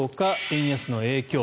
円安の影響。